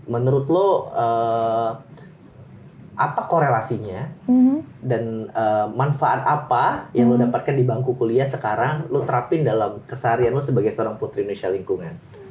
menurut lo apa korelasinya dan manfaat apa yang lo dapatkan di bangku kuliah sekarang lo terapin dalam keseharian lo sebagai seorang putri indonesia lingkungan